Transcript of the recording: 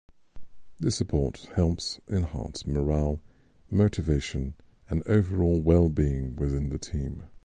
This support helps enhance morale, motivation, and overall well-being within the team.